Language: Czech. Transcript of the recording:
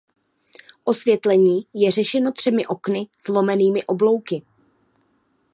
Osvětlení je řešeno třemi okny s lomenými oblouky.